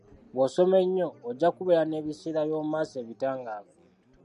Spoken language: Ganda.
Bw'osoma ennyo, ojja kubeera n'ebiseera byomu maaso ebitangaavu.